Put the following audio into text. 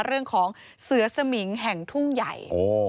เรื่องของเสือสมิงแห่งทุ่งใหญ่